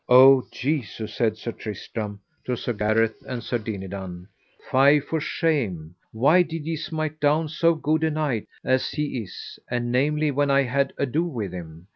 O Jesu, said Sir Tristram to Sir Gareth and Sir Dinadan, fie for shame, why did ye smite down so good a knight as he is, and namely when I had ado with him?